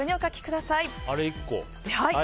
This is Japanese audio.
あれ１個？